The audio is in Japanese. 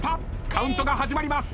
カウントが始まります。